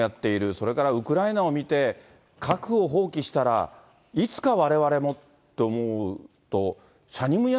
それからウクライナを見て、核を放棄したら、いつかわれわれもと思うと、しゃにむに